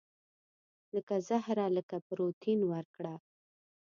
لکه زهره لکه پروین ورکړه